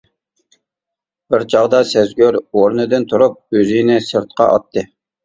بىر چاغدا سەزگۈر ئورنىدىن تۇرۇپ ئۆزىنى سىرتقا ئاتتى.